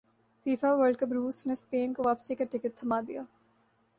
FIFA World cup روس نے Spain کو واپسی کا ٹکٹ تھمادیا